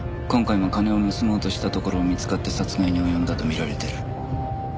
今回も金を盗もうとしたところを見つかって殺害に及んだと見られてる。